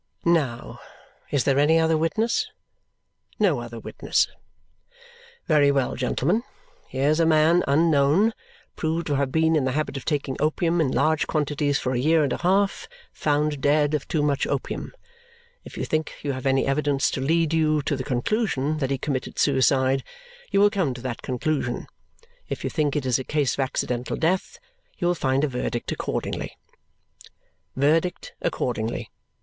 Now. Is there any other witness? No other witness. Very well, gentlemen! Here's a man unknown, proved to have been in the habit of taking opium in large quantities for a year and a half, found dead of too much opium. If you think you have any evidence to lead you to the conclusion that he committed suicide, you will come to that conclusion. If you think it is a case of accidental death, you will find a verdict accordingly. Verdict accordingly.